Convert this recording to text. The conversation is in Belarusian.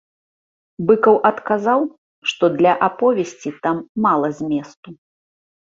Быкаў адказаў, што для аповесці там мала зместу.